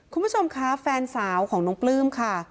คุณผู้ชมคะแฟนสาวของน้องปลื้มค่ะ